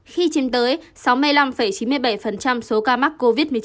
khi chiếm tới sáu mươi năm chín mươi bảy số ca mắc covid một mươi chín